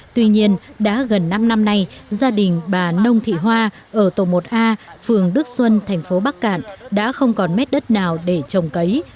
tuy nhiên đã gần năm năm nay gia đình bà nông thị hoa ở tổ một a phường đức xuân thành phố bắc cạn đã không còn mét đất nào để trồng cấy